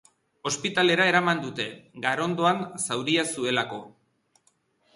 Ospitalera eraman dute, garondoan zauria zuelako.